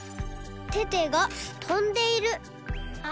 テテがとんでいる。